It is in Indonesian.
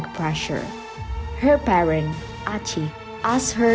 ibu bapanya aci meminta dia berkahwin